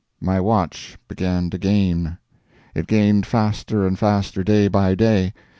My watch began to gain. It gained faster and faster day by day.